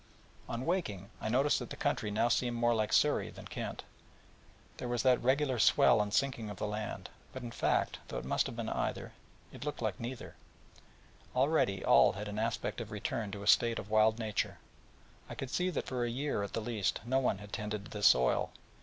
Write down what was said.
On waking, I noticed that the country now seemed more like Surrey than Kent: there was that regular swell and sinking of the land; but, in fact, though it must have been either, it looked like neither, for already all had an aspect of return to a state of wild nature, and I could see that for a year at the least no hand had tended the soil.